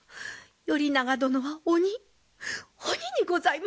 頼長殿は鬼鬼にございます！